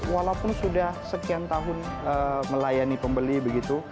walaupun sudah sekian tahun melayani pembeli begitu